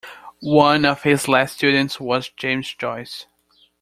One of his last students was James Joyce.